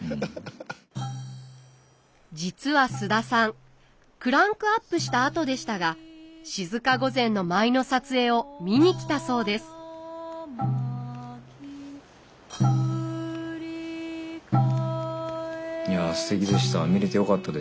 実は菅田さんクランクアップしたあとでしたが静御前の舞の撮影を見に来たそうですくり返しいやすてきでした。